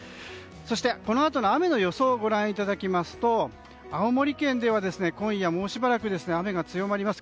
そしてこのあとの雨の予想ですが青森県では今夜もうしばらく雨が強まります。